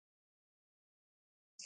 ښتې د افغان کلتور سره تړاو لري.